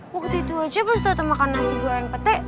waktu itu aja pas datang makan nasi goreng pete